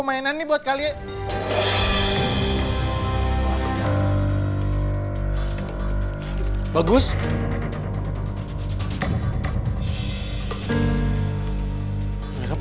murti tiba tiba nyadar